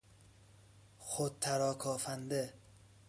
خود تراکافنده